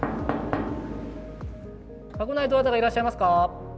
かご内、どなたかいらっしゃいますか？